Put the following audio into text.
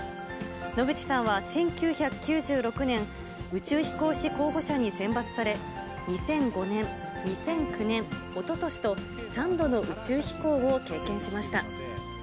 野口さんは１９９６年、宇宙飛行士候補者に選抜され、２００５年、２００９年、おととしと、３度の宇宙飛行を経験しました。